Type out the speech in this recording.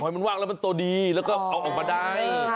ให้มันว่างแล้วมันตัวดีแล้วก็เอาออกมาได้